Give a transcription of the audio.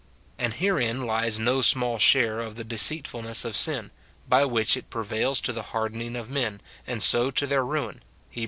And herein lies no small share of the deceitfulness of sin, by which it prevails to the hardening of men, and so to their ruin, Heb.